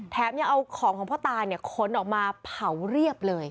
ยังเอาของของพ่อตาเนี่ยขนออกมาเผาเรียบเลย